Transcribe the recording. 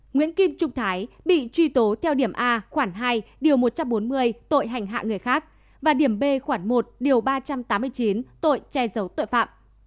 nguyễn kim trung thái bị truy tố theo điểm a khoảng hai điều một trăm bốn mươi tội hành hạ người khác và điểm b khoảng một điều ba trăm tám mươi chín tội che giấu tội phạm